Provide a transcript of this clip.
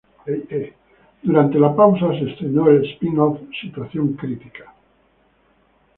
Durante la pausa, se estrenó el spin-off "Situación crítica".